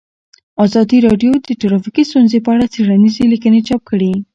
ازادي راډیو د ټرافیکي ستونزې په اړه څېړنیزې لیکنې چاپ کړي.